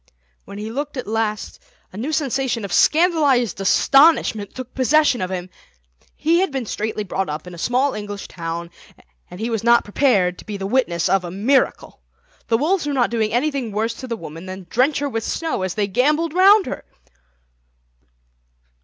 When he looked at last a new sensation of scandalised astonishment took possession of him. He had been straitly brought up in a small English town, and he was not prepared to be the witness of a miracle. The wolves were not doing anything worse to the woman than drench her with snow as they gambolled round her.